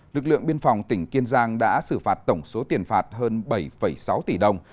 lực lượng biên phòng tỉnh kiên giang đã xử phạt tổng số tiền phạt hơn bảy sáu tỷ đồng